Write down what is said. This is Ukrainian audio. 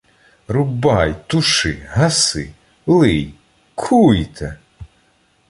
Рубай, туши, гаси, лий, куйте!